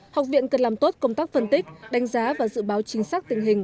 học viện cần làm tốt công tác phân tích đánh giá và dự báo chính xác tình hình